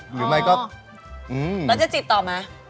หรือไม่ก็อืมแล้วจะจีบต่อไหม